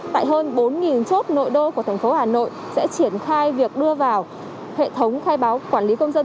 tại hơn bốn chốt nội đô của thành phố hà nội sẽ triển khai việc đưa vào hệ thống khai báo quản lý công dân